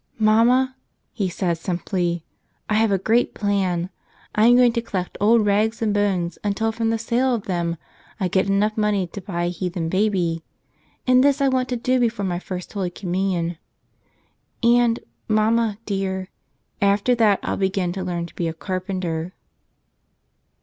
"Mamma," he said, simply, "I have a great plan. I'm going to collect old rags and bones until from the sale of them I get enough money to buy a heathen baby; and this I want to do before my First Holy Communion. And, mamma, dear, — after that I'll begin to learn to be a carpenter."